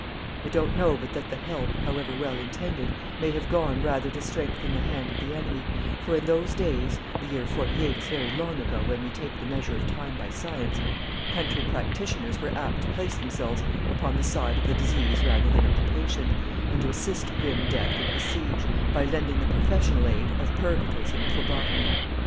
I don't know but that the help, however well intended, may have gone rather to strengthen the hand of the enemy; for in those days the year '48 is very long ago when we take the measure of time by science country practitioners were apt to place themselves upon the side of the disease rather than of the patient, and to assist grim Death in his siege, by lending the professional aid of purgatives and phlebotomy.